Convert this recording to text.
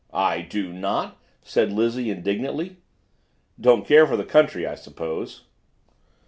"I do not," said Lizzie indignantly. "Don't care for the country, I suppose?"